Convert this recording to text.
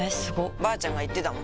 ばあちゃんが言ってたもん